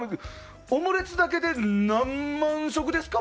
オムレツだけで何万食ですか？